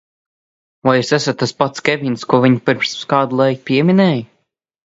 Vai jūs esat tas pats Kevins, ko viņa pirms kāda laika pieminēja?